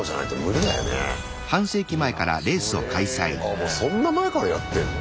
あもうそんな前からやってんの？